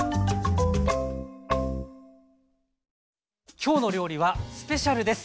「きょうの料理」はスペシャルです！